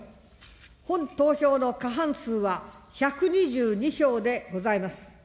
本投票の過半数は１２２票でございます。